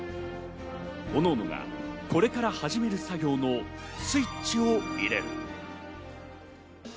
おのおのがこれから始める作業のスイッチを入れる。